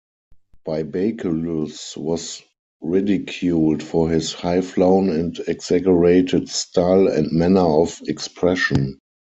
Bibaculus was ridiculed for his high-flown and exaggerated style and manner of expression.